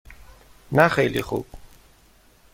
نه خیلی خوب.